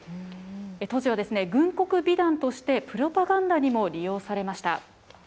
当時は軍国美談としてプロパガンダにも利用されました。